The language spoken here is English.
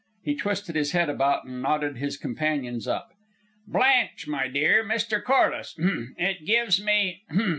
He twisted his head about and nodded his companions up. "Blanche, my dear, Mr. Corliss hem it gives me ... hem ..